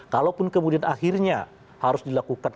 kalaupun kemudian akhirnya harus dilakukan